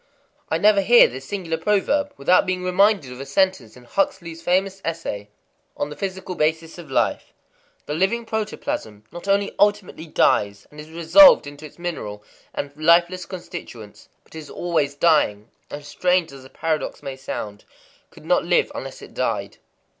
I never hear this singular proverb without being re minded of a sentence in Huxley's famous essay, On the Physical Basis of Life:—"The living protoplasm not only ultimately dies and is resolved into its mineral and lifeless constituents, but is always dying, and, strange as the paradox may sound, could not live unless it died."